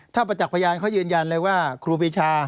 ถ้าประจักษ์พยานเขายืนยันเลยว่าครูปีชา